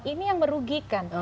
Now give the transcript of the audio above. ini yang merugikan